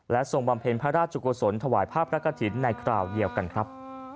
ทรงบำเพ็ญพระราชกุศลถวายภาพพระกฐินในคราวเดียวกันครับ